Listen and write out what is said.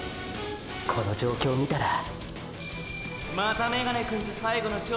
この状況を見たらまたメガネくんと最後の勝負か？